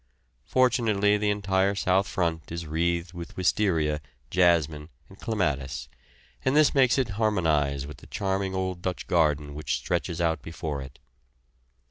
Fortunately, the entire south front is wreathed with wisteria, jasmine and clematis, and this makes it harmonise with the charming old Dutch garden which stretches out before it.